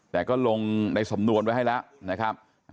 แต่ก็ลงในสำนวนไว้ให้แล้วนะครับ